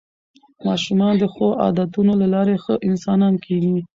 ماشومان د ښو عادتونو له لارې ښه انسانان کېږي